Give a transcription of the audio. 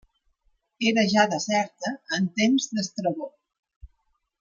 Era ja deserta en temps d'Estrabó.